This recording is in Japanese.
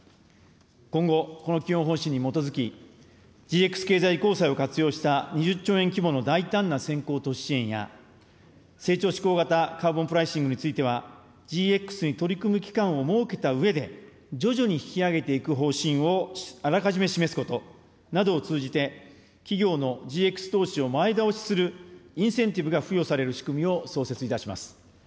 今後この基本方針に基づき、ＧＸ経済移行債を活用した２０兆円規模の大胆な先行投資支援や、成長志向型カーボンプライシングについては、ＧＸに取り組む期間を設けたうえで、徐々に引き上げていく方針をあらかじめ示すことなどを通じて、企業のＧＸ投資をインセンティブが付与される仕組みを創設いたします。